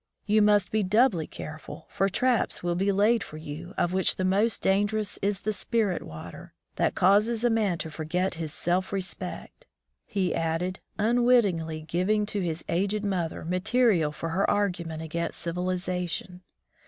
You must be doubly care ful, for traps will be laid for you, of which the most dangerous is the spirit water, that causes a man to forget his self respect," he added, unwittingly giving to his aged mother material for her argument against civilization.